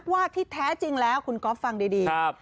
ว่าที่แท้จริงแล้วคุณก๊อฟฟังดี